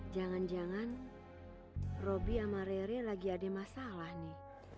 jangan jangan roby sama rere lagi ada masalah nih